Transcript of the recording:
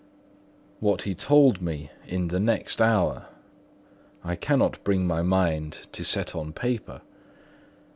What he told me in the next hour, I cannot bring my mind to set on paper.